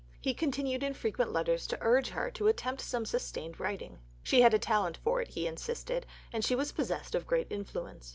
He continued in frequent letters to urge her to attempt some sustained writing. She had a talent for it, he insisted, and she was possessed of great influence.